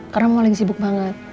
karena mau lagi sibuk banget